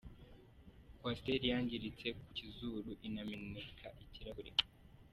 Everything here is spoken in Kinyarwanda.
Coaster yangiritse ku kizuru inameneka ikirahuri.